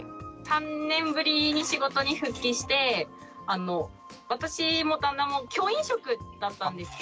３年ぶりに仕事に復帰して私も旦那も教員職だったんですけど。